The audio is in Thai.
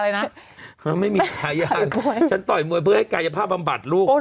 ไม่มีฉายาฉันต่อยมวยเพื่อให้กายภาพบำบัดลูก